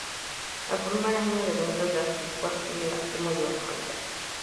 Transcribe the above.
El primer año de ventas del Aspen fue recibida de muy buena manera.